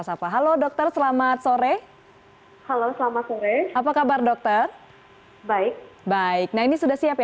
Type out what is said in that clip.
sapa halo dokter selamat sore halo selamat sore apa kabar dokter baik baik nah ini sudah siap ya